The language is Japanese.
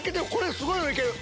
すごいの行ける